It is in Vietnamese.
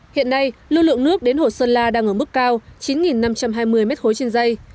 hiện nay lưu lượng nước đến hồ sơn la đang ở mức cao chín năm trăm hai mươi m ba trên dây